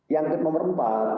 yang ke nomor empat